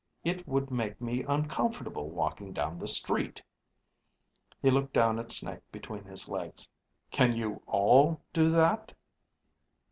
It would make me uncomfortable walking down the street." He looked down at Snake between his legs. "Can you all do that?"